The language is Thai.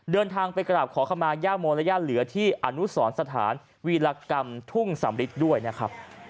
เดินทางไปกราบขอขมาย่าโมและย่าเหลือที่อนุสรสถานวีรกรรมทุ่งสำริดด้วยนะครับ